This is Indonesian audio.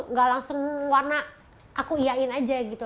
nggak langsung warna aku yain aja gitu